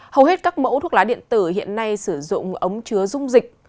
hầu hết các mẫu thuốc lá điện tử hiện nay sử dụng ống chứa dung dịch